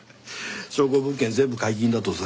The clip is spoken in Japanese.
証拠物件全部解禁だとさ。